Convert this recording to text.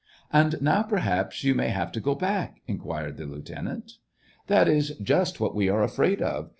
" And now, pe; haps, you may have to go back ?" inquired the lieutenant. That is just what we are afraid of.